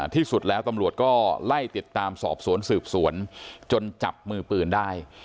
ที่สุดแล้วตำรวจก็ไล่ติดตามสอบสวนสืบสวนจนจับมือปืนได้